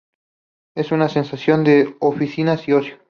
Es un rascacielos de oficinas y ocio.